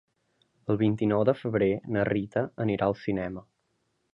El vint-i-nou de febrer na Rita anirà al cinema.